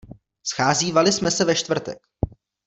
Scházívali jsme se ve čtvrtek.